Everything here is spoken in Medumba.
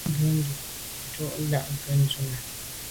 A bwô ndù be ghù ndà ke ndume.